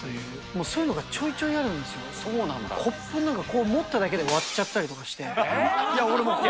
もう、そういうのがちょいちょいそうなんだ。コップなんかこう、持っただけで割っちゃったりとかして。